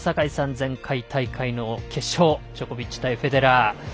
前回大会の決勝、ジョコビッチ対フェデラー。